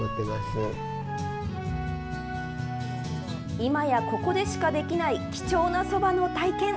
今やここでしかできない貴重なそばの体験。